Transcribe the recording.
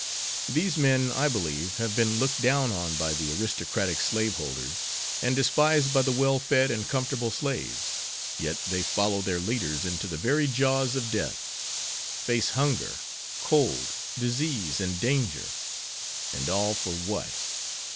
These men, I believe, have been looked down on by the aristocratic slaveholders, and despised by the well fed and comfortable slaves, yet they follow their leaders into the very jaws of death; face hunger, cold, disease, and danger; and all for what?